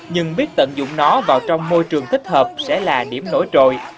nhưng biết tận dụng nó vào trong môi trường thích hợp sẽ là điểm nổi trội